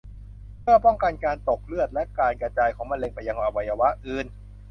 เพื่อป้องกันการตกเลือด และการกระจายของมะเร็งไปยังอวัยวะอื่น